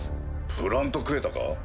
プラント・クエタか？